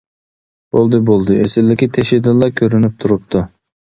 بولدى، بولدى، ئېسىللىكى تېشىدىنلا كۆرۈنۈپ تۇرۇپتۇ!